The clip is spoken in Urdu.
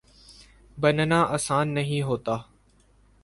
بننا آسان نہیں ہوتا